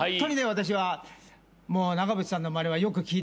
私は長渕さんのまねはよく聞いてて。